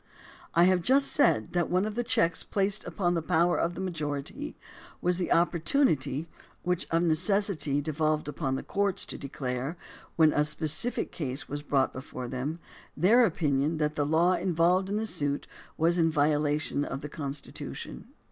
I have just said that one of the checks placed upon the power of the majority was the opportunity which , of necessity devolved upon the courts to declare, when 140 THE DEMOCRACY OF ABRAHAM LINCOLN a specific case was brought before them, their opinion that the law involved in the suit was in siolation of the Constitution.